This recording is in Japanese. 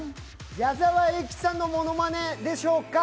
矢沢永吉さんのものまねでしょうか？